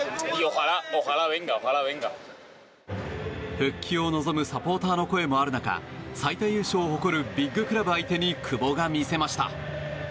復帰を望むサポーターの声もある中最多優勝を誇るビッグクラブ相手に久保が見せました。